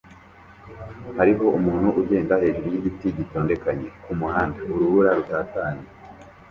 Hariho umuntu ugenda hejuru yigiti gitondekanye kumuhanda urubura rutatanye